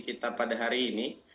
kita pada hari ini